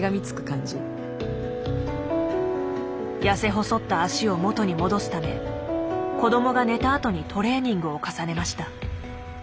痩せ細った脚を元に戻すため子どもが寝たあとにトレーニングを重ねました。